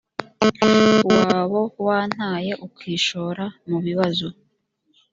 wabo wantaye ukishora mubibazo